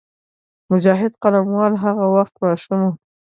مجاهد قلموال هغه وخت ماشوم وو.